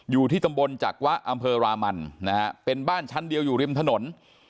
อยู่ที่ตำบลจักวะอำเภอรามันนะฮะเป็นบ้านชั้นเดียวอยู่ริมถนน